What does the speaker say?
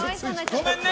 ごめんね！